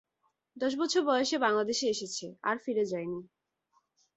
দশ বছর বয়সে বাংলাদেশে এসেছে, আর ফিরে যায় নি।